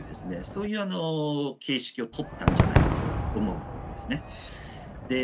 そういう形式をとったんじゃないかと思うんですね。